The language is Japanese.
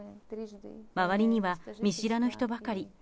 周りには見知らぬ人ばかり。